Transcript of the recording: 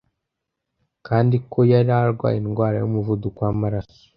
kandi ko yari arwaye indwara y’umuvuduko w’amaraso